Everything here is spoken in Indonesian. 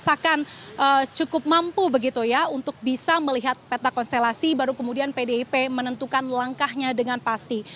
sehingga memang strategi injury time ini dirasakan cukup mampu begitu ya untuk bisa melihat peta konstelasi baru kemudian pdip menentukan langkahnya dengan pasti